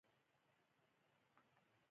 ژبه زموږ د ملي وحدت نښه ده.